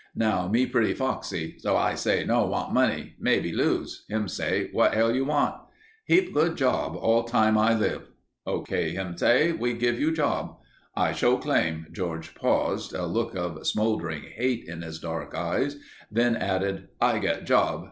"Now me pretty foxy. So I say, 'no want money. Maybe lose.' Him say, 'what hell you want?' "'Heap good job all time I live.' "'Okay,' him say. 'We give you job.' "I show claim." George paused, a look of smoldering hate in his dark eyes, then added: "I get job.